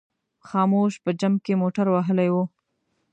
خاموش په جمپ کې موټر وهلی و.